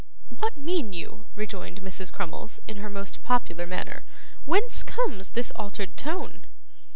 'What mean you?' rejoined Mrs. Crummles, in her most popular manner. 'Whence comes this altered tone?